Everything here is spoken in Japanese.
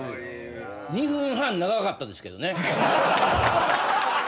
２分半長かったですけどね。